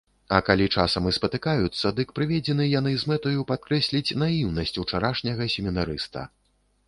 А калі часам і спатыкаюцца, дык прыведзены яны з мэтаю падкрэсліць наіўнасць учарашняга семінарыста.